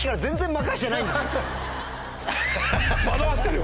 惑わしてる？